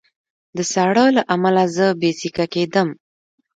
د ساړه له امله زه بې سېکه کېدم